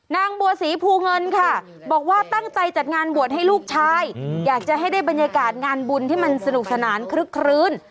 นางบัวศรีภูเงินค่ะบอกว่าตั้งใจจัดงานบวชให้ลูกชายอยากจะให้ได้บรรยากาศงานบุญที่มันสนุกสนานคลึกคลื้น